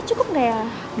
lima cukup ga ya